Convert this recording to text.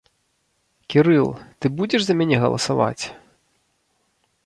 Кірыл, ты будзеш за мяне галасаваць?